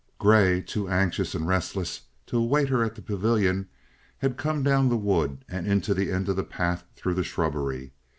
Grey, too anxious and restless to await her at the pavilion, had come down the wood and into the end of the path through the shrubbery.